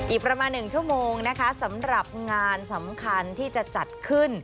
อีกประมาณ๑ชั่วโมงนะคะสำหรับงานสำคัญที่จะจัดขึ้น